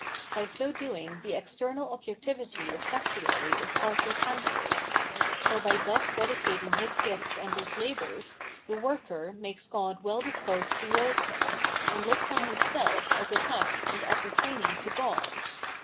By so doing the external objectivity of statuary is partly cancelled ; for by thus dedicating his gifts and his labours the worker makes God well disposed to wards him and looks on his self as attached and apper taining to God.